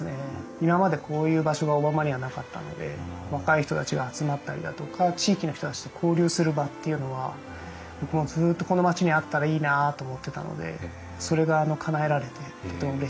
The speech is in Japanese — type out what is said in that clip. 今までこういう場所が小浜にはなかったので若い人たちが集まったりだとか地域の人たちと交流する場というのは僕もずっとこの町にあったらいいなと思ってたのでそれがかなえられてとってもうれしいですね。